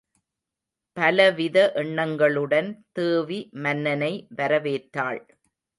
பலவித எண்ணங்களுடன் தேவி மன்னனை வரவேற்றாள்.